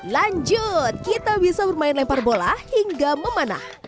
lanjut kita bisa bermain lempar bola hingga memanah